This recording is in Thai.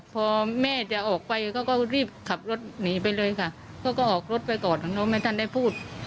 พอแม่จะออกไปเขาก็รีบขับรถหนีไปเลยค่ะเขาก็ออกรถไปก่อนน้องไม่ทันได้พูด